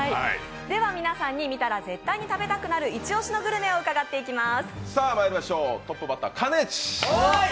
皆さんに見たら絶対食べたくなるイチオシのグルメを伺っていきます。